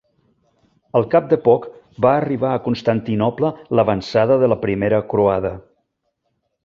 Al cap de poc va arribar a Constantinoble l'avançada de la primera Croada.